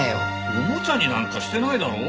オモチャになんかしてないだろ。